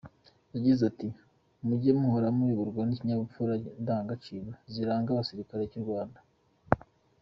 Yagize ati “Mujye muhora muyoborwa n’ikinyabupfura n’indangagaciro ziranga igisirikare cy’u Rwanda.